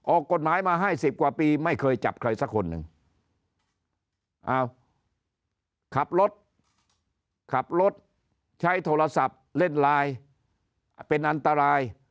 ออกกฎหมายมาให้สิบกว่าปีไม่เคยจับใครสักคนหนึ่งเอาขับรถขับรถใช้โทรศัพท์เล่นไลน์เป็นอันตราย